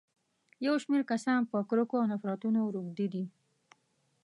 يو شمېر کسان په کرکو او نفرتونو روږدي دي.